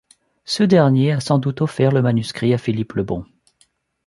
Ce dernier a sans doute offert le manuscrit à Philippe le Bon.